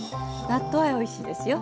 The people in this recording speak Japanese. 納豆あえおいしいですよ。